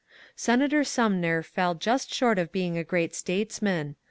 Senator Sumner fell just short of being a great statesman.